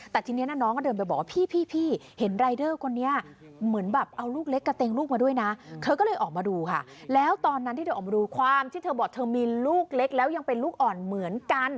แต่ทีนี้น้องก็เดินไปบอกว่าพี่เห็นรายเดอร์คนนี้เหมือนแบบเอาลูกเล็กกระเตงลูกมาด้วยนะเธอก็เลยออกมาดูค่ะแล้วตอนนั้นที่เธอออกมาดูความที่เธอบอกเธอมีลูกเล็กแล้วยังเป็นลูกอ่อนเหมือนกัน